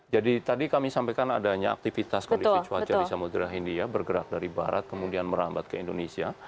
jadi tadi kami sampaikan adanya aktivitas kondisi cuaca di samudera hindia bergerak dari barat kemudian merambat ke indonesia